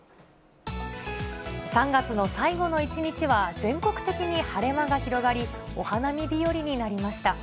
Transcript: ３月の最後の一日は、全国的に晴れ間が広がり、お花見日和になりました。